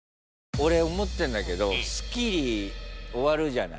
俺思ってんだけど『スッキリ』終わるじゃない。